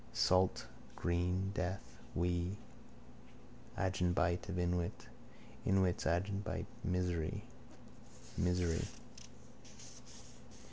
Salt green death. We. Agenbite of inwit. Inwit's agenbite. Misery! Misery!